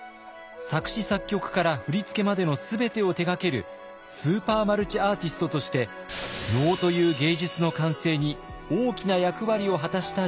作詞作曲から振り付けまでの全てを手がけるスーパー・マルチ・アーティストとして能という芸術の完成に大きな役割を果たした人物。